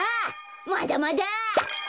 まだまだ！